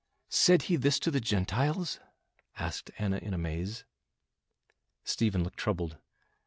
"Said he this to the Gentiles?" asked Anna, in amaze. Stephen looked troubled.